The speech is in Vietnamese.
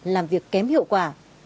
làm việc kém hiệu quả